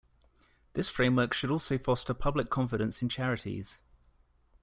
This framework should also foster public confidence in charities.